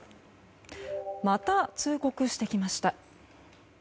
また通告してきました。